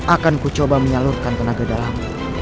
akanku coba menyalurkan tenaga dalam